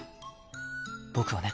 僕はね。